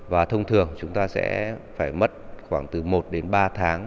và thông thường chúng ta sẽ phải mất khoảng từ một đến ba tháng